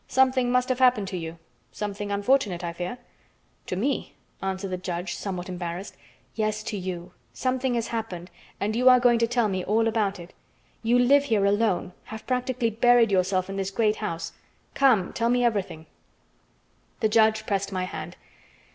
Something must have happened to you, something unfortunate, I fear?" "To me?" answered the judge somewhat embarrassed. "Yes, to you. Something has happened, and you are going to tell me all about it. You live here alone, have practically buried yourself in this great house. Come, tell me everything." The judge pressed my hand.